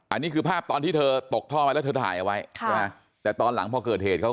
อันนี้คือภาพตอนที่เธอตกท่อไว้แล้วเธอถ่ายเอาไว้ใช่ไหมแต่ตอนหลังพอเกิดเหตุเขา